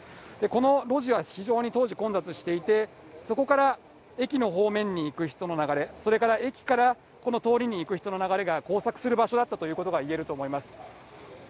この路地は非常に当時、混雑していて、そこから駅の方面に行く人の流れ、それから駅からこの通りに行く人の流れが交錯する場所だったということがいえると思います。